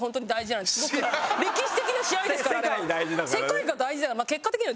歴史的な試合ですからあれは。